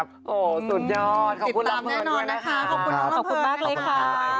ติดตามแน่นอนนะคะขอบคุณมากเลยค่ะ